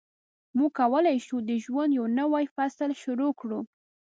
موږ کولای شو د ژوند یو نوی فصل شروع کړو.